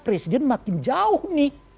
presiden makin jauh nih